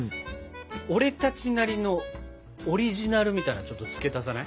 俺たちなりのオリジナルみたいなのちょっと付け足さない？